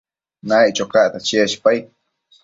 Naiccho cacta cheshpaid